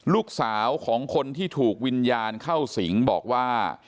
ลูกสาวของคนที่ถูกวิญญาณเข้าสิงบอกว่า